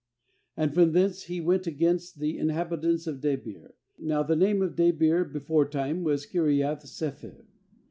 uAnd from thence he went against the in habitants of Debir— now the name of Debir beforetime was Kiriath sepher.